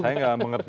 saya tidak mengerti